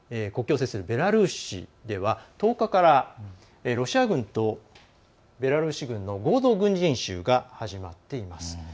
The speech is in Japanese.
国境を接するベラルーシでは１０日からロシア軍とベラルーシ軍の合同軍事演習が始まっています。